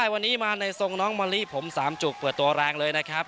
วันนี้มาในทรงน้องมะลิผมสามจุกเปิดตัวแรงเลยนะครับ